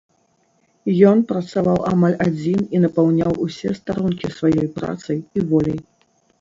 Ён працаваў амаль адзін і напаўняў усе старонкі сваёй працай і воляй.